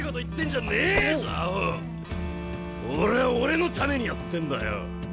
俺は俺のためにやってんだよ！